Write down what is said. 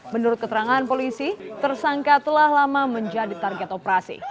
menurut keterangan polisi tersangka telah lama menjadi target operasi